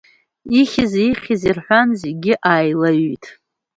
Ихьзеи, ихьзеи рҳәан, зегьы ааилаҩҩит.